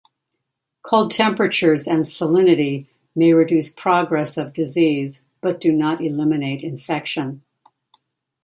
Cold temperatures and salinity may reduce progress of disease, but do not eliminate infection.